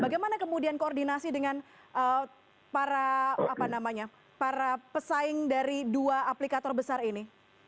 bagaimana kemudian koordinasi dengan para apa namanya para pesaing dari dua aplikator besar ini